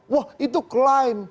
wah itu klaim